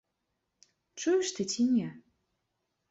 Чуеш ты ці не?